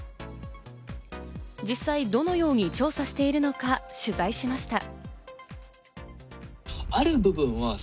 実際どのように調査しているのか取材しました。